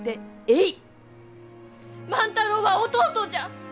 万太郎は弟じゃ！